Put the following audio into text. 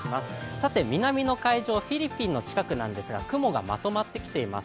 さて南の海上、フィリピンの近くなんですが雲がまとまってきています。